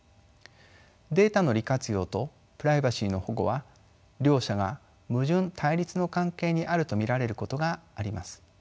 データの利活用とプライバシーの保護は両者が矛盾対立の関係にあると見られることがあります。